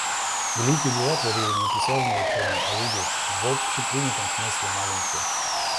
Великие дела творили не присяжные ученые, а люди, в общепринятом смысле, маленькие.